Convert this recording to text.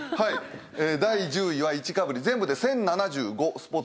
第１０位は１かぶり全部で１，０７５スポット。